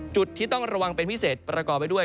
จุดที่ต้องระวังเป็นพิเศษประกอบไปด้วย